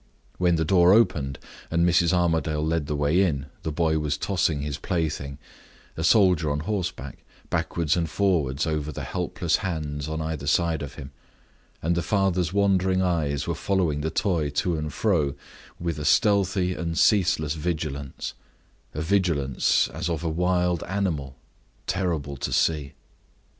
When the door opened, and Mrs. Armadale led the way in, the boy was tossing his plaything a soldier on horseback backward and forward over the helpless hands on either side of him; and the father's wandering eyes were following the toy to and fro, with a stealthy and ceaseless vigilance a vigilance as of a wild animal, terrible to see.